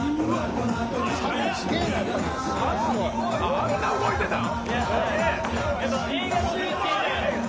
あんな動いてたん？